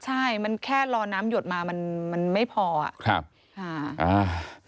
ใช่มันแค่รอน้ำหยดมามันมันไม่พออ่ะครับค่ะอ่า